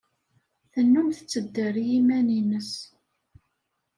Tennum tettedder i yiman-nnes.